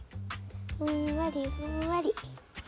ふんわりふんわり。